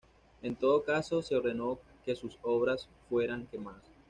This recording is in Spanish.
En todo caso, se ordenó que sus obras fueran quemadas.